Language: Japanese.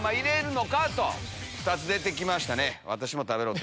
２つ出て来ましたね。